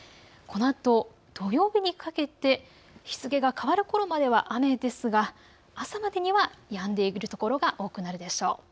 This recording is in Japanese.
このあと土曜日にかけて日付が変わるころまでは雨ですが朝までにはやんでいる所が多くなるでしょう。